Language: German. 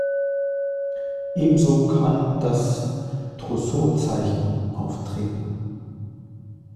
Ebenso kann das "Trousseau-Zeichen" auftreten.